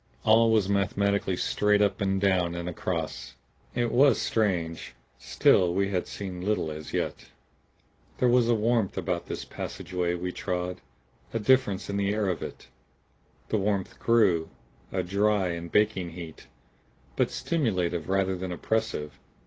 All was mathematically straight up and down and across. It was strange still we had seen little as yet. There was a warmth about this passageway we trod; a difference in the air of it. The warmth grew, a dry and baking heat; but stimulative rather than oppressive.